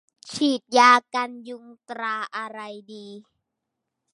ยาฉีดกันยุงตราอะไรดี